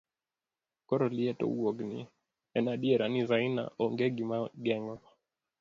koro liet owuogni, en adiera ni Zaina ong'e gima geng'o